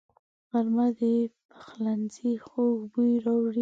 غرمه د پخلنځي خوږ بوی راوړي